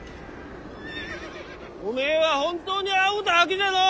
おめえは本当にあほたわけじゃのう！